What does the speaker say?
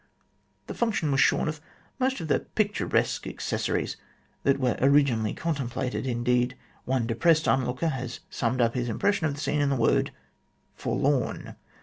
The function was shorn of most of the picturesque accessaries that were originally con templated ; indeed one depressed onlooker has summed up his impressions of the scene in the word " forlorn."